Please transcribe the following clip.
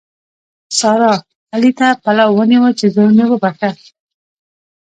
سارا؛ علي ته پلو ونیو چې زوی مې وبښه.